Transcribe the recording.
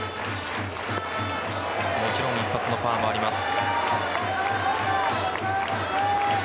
もちろん一発のパワーもあります。